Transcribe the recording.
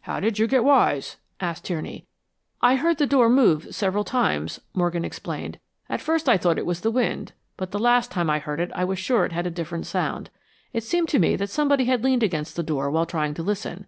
"How did you get wise?" asked Tierney. "I heard the door move several times," Morgan explained. "At first I thought it was the wind, but the last time I heard it I was sure it had a different sound. It seemed to me that somebody had leaned against the door while trying to listen."